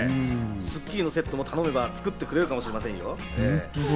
『スッキリ』のセットも頼めば作ってくれるかもしれませんよ。